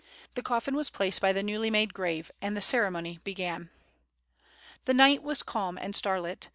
The coffin was placed by the newly made grave, and the ceremony began. The night was calm and starlit.